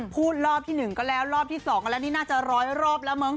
พูดรอบที่หนึ่งก็แล้วรอบที่สองแล้วนี่น่าจะร้อยรอบแล้วมึง